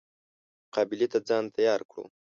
مقابلې ته ځان تیار کړو.